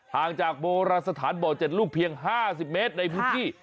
ห่างจากโบราณสถานบ่อ๗ลูกเพียง๕๐เมตรในพื้นที่